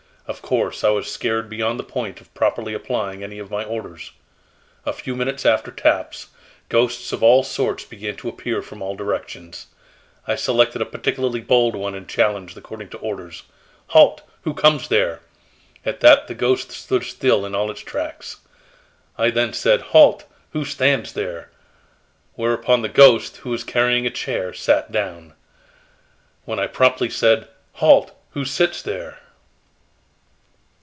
Of course, I was scared beyond the point of properly applying any of my orders. A few minutes after taps, ghosts of all sorts began to appear from all directions. I selected a particularly bold one and challenged according to orders: 'Halt, who comes there?' At that the ghost stood still in its tracks. I then said: 'Halt, who stands there?' Whereupon the ghost, who was carrying a chair, sat down. When I promptly said: 'Halt, who sits there?'